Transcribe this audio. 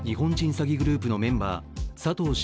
詐欺グループのメンバー佐藤茂